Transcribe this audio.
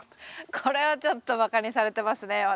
これはちょっと馬鹿にされてますね私。